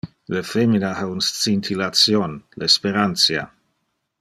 Le femina ha un scintillation: le sperantia.